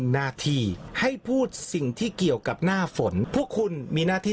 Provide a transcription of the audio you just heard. หน้าที่ให้พูดสิ่งที่เกี่ยวกับหน้าฝนพวกคุณมีหน้าที่